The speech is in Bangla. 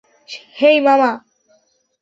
হেই, মামা।